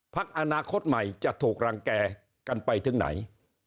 พักอนาคตใหม่จะถูกรังแก่กันไปถึงไหน